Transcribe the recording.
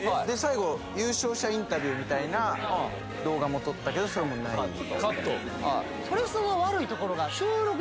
で最後優勝者インタビューみたいな動画も撮ったけどそれもないカット？